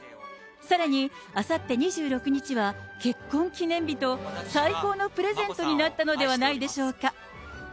さらに、あさって２６日は結婚記念日と、最高のプレゼントになったのではないでしょうか。